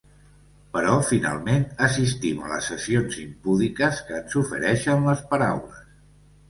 Però finalment, assistim a les sessions impúdiques que ens ofereixen les paraules.